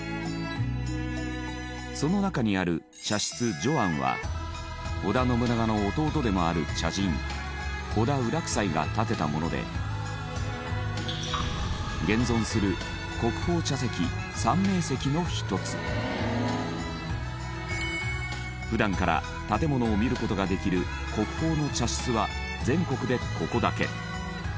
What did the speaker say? その中にある茶室如庵は織田信長の弟でもある茶人織田有楽斎が建てたもので現存する普段から建物を見る事ができる国宝の茶室は全国でここだけ。